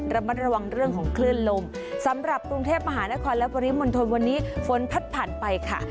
ระมัดระวังเรื่องของคลื่นลมสำหรับกรุงเทพมหานครและปริมณฑลวันนี้ฝนพัดผ่านไปค่ะ